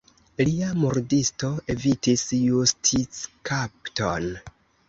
Lia murdisto evitis justickapton.